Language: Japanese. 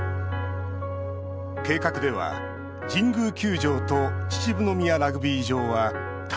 計画では、神宮球場と秩父宮ラグビー場は建て替え。